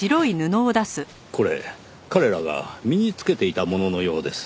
これ彼らが身につけていたもののようです。